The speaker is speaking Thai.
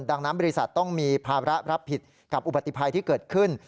ดังนั้นบริษัทต้องมีภาระรับผิดกับอุบัติภัยที่เกิดขึ้น